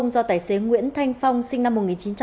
do tài xế nguyễn thanh phong sinh năm một nghìn chín trăm tám mươi